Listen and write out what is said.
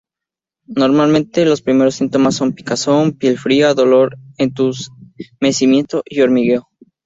Normalmente, los primeros síntomas son: picazón, piel fría, dolor, entumecimiento y hormigueo.